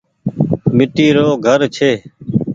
ميٽي رو گهر ڇي۔